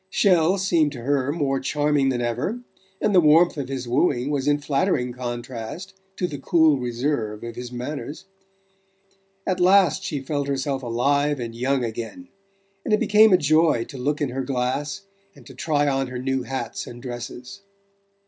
Chelles seemed to her more charming than ever, and the warmth of his wooing was in flattering contrast to the cool reserve of his manners. At last she felt herself alive and young again, and it became a joy to look in her glass and to try on her new hats and dresses...